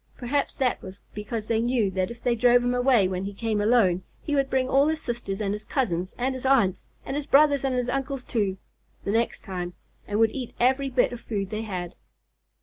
Perhaps that was because they knew that if they drove him away when he came alone, he would bring all his sisters and his cousins and his aunts, and his brothers and his uncles too, the next time, and would eat every bit of food they had.